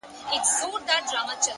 اخلاص عمل ته ارزښت ورکوي!.